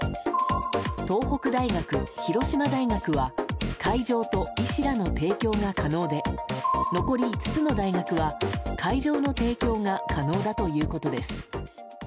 東北大学、広島大学は会場と医師らの提供が可能で残り５つの大学は、会場の提供が可能だということです。